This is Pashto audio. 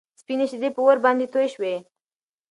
سپينې شيدې په اور باندې توی شوې.